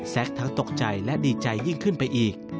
ทั้งตกใจและดีใจยิ่งขึ้นไปอีก